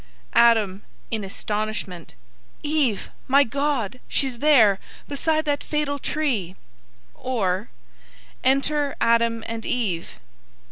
ADAM (in astonishment). Eve! my God, she's there Beside that fatal tree; or Enter ADAM and EVE.